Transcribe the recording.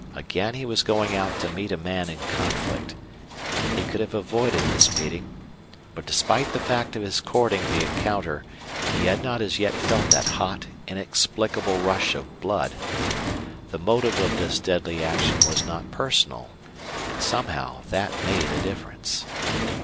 Again he was going out to meet a man in conflict. He could have avoided this meeting. But despite the fact of his courting the encounter he had not as yet felt that hot, inexplicable rush of blood. The motive of this deadly action was not personal, and somehow that made a difference.